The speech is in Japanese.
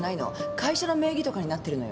会社の名義とかになってるのよ。